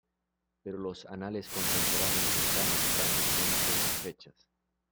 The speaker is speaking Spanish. Pero los anales contemporáneos cercanos dan diferentes fechas.